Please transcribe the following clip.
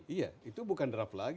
iya itu bukan draft lagi